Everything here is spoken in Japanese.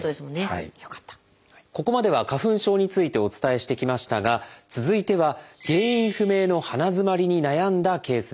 ここまでは花粉症についてお伝えしてきましたが続いては原因不明の鼻づまりに悩んだケースです。